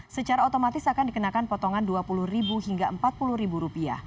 secara otomatis akan dikenakan potongan rp dua puluh hingga rp empat puluh